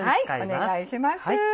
お願いします。